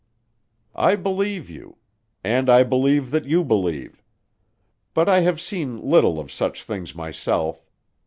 "I believe you. And I believe that you believe. But I have seen little of such things myself.